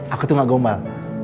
aku tuh gak gombal